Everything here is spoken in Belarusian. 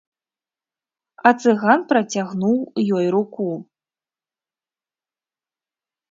А цыган працягнуў ёй руку.